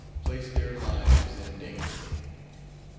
placed their lives in danger.